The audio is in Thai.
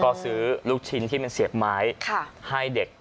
ก็ซื้อลูกชิ้นที่มันเสียบไม้ให้เด็ก